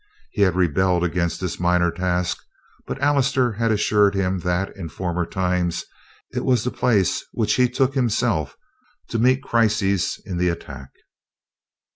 He had rebelled against this minor task, but Allister had assured him that, in former times, it was the place which he took himself to meet crises in the attack.